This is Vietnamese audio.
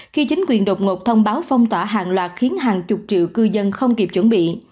khi chính quyền đột ngột thông báo phong tỏa hàng loạt khiến hàng chục triệu cư dân không kịp chuẩn bị